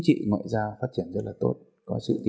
chúng ta đánh giá rất là cao